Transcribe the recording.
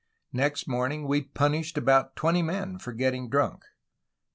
Next morning we punished about twenty men for getting drunk."